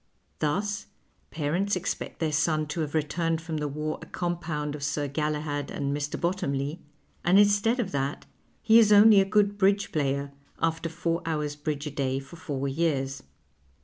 Thus, parents expect their son to have returned from the war a compound of Sir Galahad and Mr. Bottomley, and instead of that he is only a good bridge player, after four hours' bridge a day for four years.